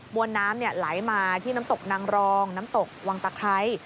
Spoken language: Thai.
วนน้ำไหลมาที่น้ำตกนางรองน้ำตกวังตะไคร้